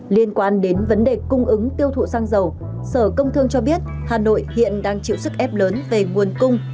liên quan đến vấn đề cung ứng tiêu thụ xăng dầu sở công thương cho biết hà nội hiện đang chịu sức ép lớn về nguồn cung